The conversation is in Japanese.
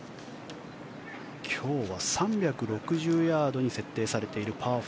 今日は３６０ヤードに設定されているパー４。